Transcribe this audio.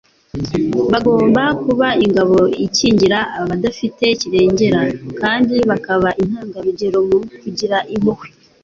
Bagomba kuba ingabo ikingira abadafite kirengera, kandi bakaba intanga rugero mu kugira impuhwe